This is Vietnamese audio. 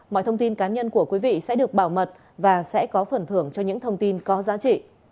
mọi thông tin cá nhân của quý vị sẽ được bảo mật và sẽ có phần thưởng cho những thông tin có giá trị